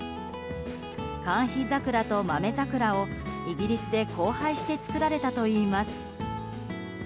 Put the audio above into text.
寒緋桜とマメザクラをイギリスで交配して作られたといいます。